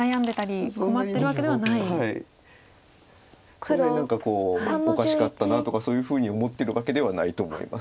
そんなに何かおかしかったなとかそういうふうに思ってるわけではないと思います。